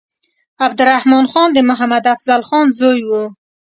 عبدالرحمن خان د محمد افضل خان زوی وو.